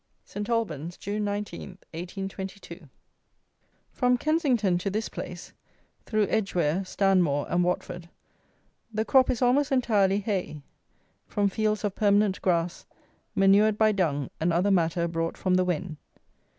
Saint Albans, June 19, 1822. From Kensington to this place, through Edgware, Stanmore, and Watford, the crop is almost entirely hay, from fields of permanent grass, manured by dung and other matter brought from the Wen.